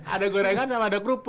ada gorengan sama ada kerupuk